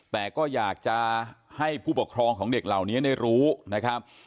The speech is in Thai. แต่ก็อยากจะให้ผู้ปกครองของเด็กเหล่านี้ได้รู้นะครับ